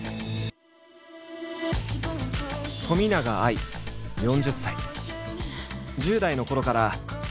冨永愛４０歳。